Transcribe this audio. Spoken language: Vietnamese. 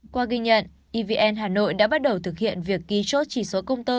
qua ghi nhận evn hà nội đã bắt đầu thực hiện việc ký chốt chỉ số công tơ